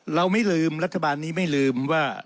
เราไม่ลืมรัฐบาลนี้ไม่ลืมว่า